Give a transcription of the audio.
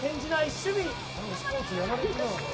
守備。